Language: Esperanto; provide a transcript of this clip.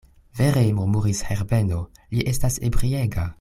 Vere, murmuris Herbeno, li estas ebriega.